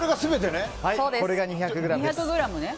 これが２００ｇです。